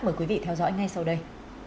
mời quý vị theo dõi ngay sau đây